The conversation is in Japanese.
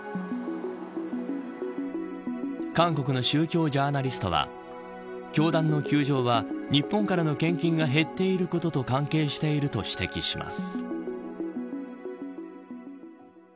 韓国の宗教ジャーナリストは教団の窮状は日本からの献金が減っていることと関係していると指摘します。